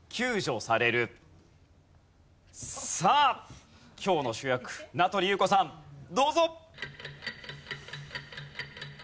さあ今日の主役名取裕子さんどうぞ！